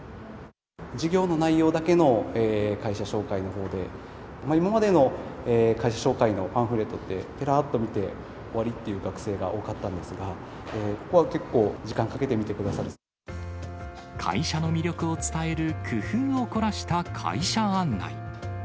事業の内容だけの会社紹介のほうで、今までの会社紹介のパンフレットって、ぺらっと見て、終わりっていう学生が多かったんですが、ここは結構、会社の魅力を伝える工夫を凝らした会社案内。